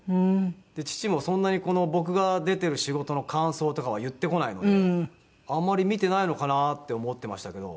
父もそんなに僕が出てる仕事の感想とかは言ってこないのであんまり見てないのかなって思ってましたけど。